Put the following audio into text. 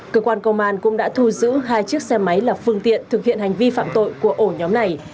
cơ quan công an cũng đã thu giữ hai chiếc xe máy là phương tiện thực hiện hành vi phạm tội của ổ nhóm này